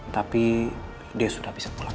tapi dia sudah bisa pulang